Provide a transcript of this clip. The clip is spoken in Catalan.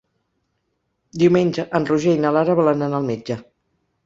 Diumenge en Roger i na Lara volen anar al metge.